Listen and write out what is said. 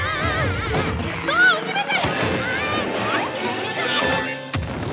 ドアを閉めて！